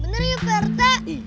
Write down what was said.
bener ya pak papayete